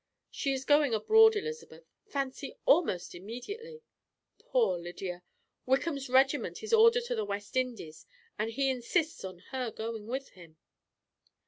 She is going abroad, Elizabeth, fancy, almost immediately! Poor Lydia! Wickham's regiment is ordered to the West Indies, and he insists on her going with him."